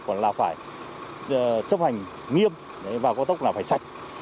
còn là phải chấp hành nghiêm vào cao tốc là phải sạch